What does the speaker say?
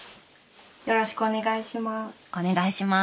よろしくお願いします。